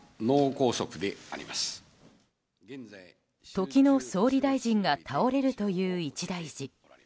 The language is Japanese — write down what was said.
時の総理大臣が倒れるという一大事。